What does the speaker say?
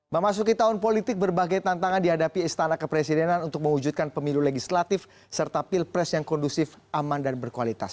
memasuki tahun politik berbagai tantangan dihadapi istana kepresidenan untuk mewujudkan pemilu legislatif serta pilpres yang kondusif aman dan berkualitas